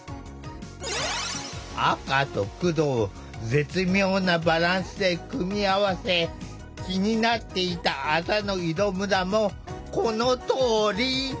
赤と黒を絶妙なバランスで組み合わせ気になっていたあざの色むらもこのとおり！